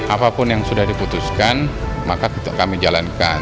apapun yang sudah diputuskan maka kami jalankan